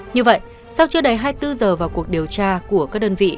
như vậy sau chưa đầy hai mươi bốn giờ vào cuộc điều tra của các đơn vị